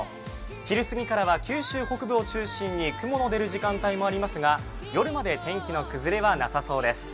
昼過ぎからは九州北部を中心に雲の出る時間帯もありますが夜まで天気の崩れはなさそうです。